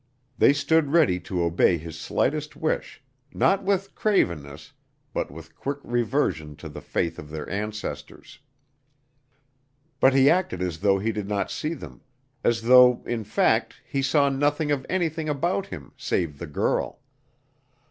They stood ready to obey his slightest wish not with cravenness, but with quick reversion to the faith of their ancestors. But he acted as though he did not see them as though, in fact, he saw nothing of anything about him save the girl.